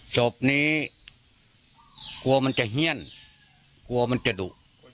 ศพนี้กลัวมันจะเฮียนกลัวมันจะดุ